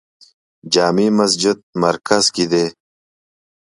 جامع مسجد مرکز کې دی